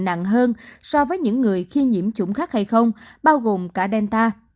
nặng hơn so với những người khi nhiễm chủng khác hay không bao gồm cả delta